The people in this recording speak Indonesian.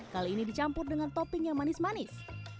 kali ini dicampur dengan topping yang manis manis